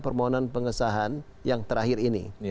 permohonan pengesahan yang terakhir ini